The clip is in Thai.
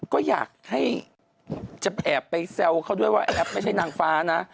ก็อยากให้จะแอบไปแซวเขาด้วยว่าแอปไม่ใช่นางฟ้านะ